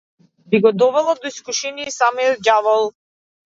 Би го довела до искушение и самиот ѓавол.